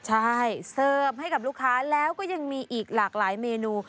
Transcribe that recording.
ใช่เสิร์ฟให้กับลูกค้าแล้วก็ยังมีอีกหลากหลายเมนู